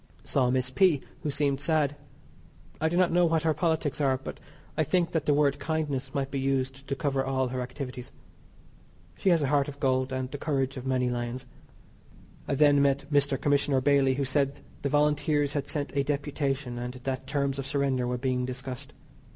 Saw Miss P. who seemed sad. I do not know what her politics are, but I think that the word "kindness" might be used to cover all her activities. She has a heart of gold, and the courage of many lions. I then met Mr. Commissioner Bailey who said the Volunteers had sent a deputation, and that terms of surrender were being discussed.